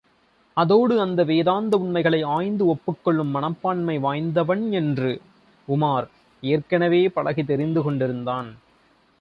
அதோடு அந்த வேதாந்த உண்மைகளை ஆய்ந்து ஒப்புக்கொள்ளும் மனப்பான்மை வாய்ந்தவன் என்று உமார் ஏற்கெனவே பழகித் தெரிந்து கொண்டிருந்தான்.